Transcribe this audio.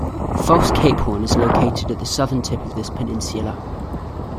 False Cape Horn is located at the southern tip of this peninsula.